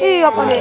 iya pak d